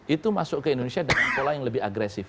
itu masuk ke indonesia dengan pola yang lebih agresif